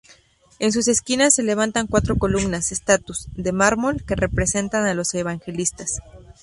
En sus esquinas se levantan cuatro columnas-estatuas, de mármol, que representan a los evangelistas.